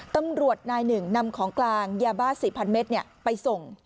ตำรวจนายหนึ่งนำของกลางยาบ้า๔๐๐เมตรไปส่ง